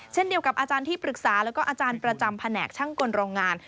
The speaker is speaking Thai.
เช่นเดียวกับอาจารย์ที่ปรึกษาแล้วก็อาจารย์ประจำแผนกช่างกลโรงงาน